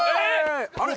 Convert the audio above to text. あれ？